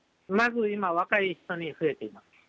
まず今、若い人に増えています。